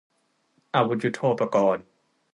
อาวุธยุทโธปกรณ์